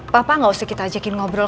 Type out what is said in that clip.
papa gak usah kita ajakin ngobrol